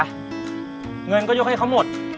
น่ะจ๊ะเงินก็ยกให้เขาหมด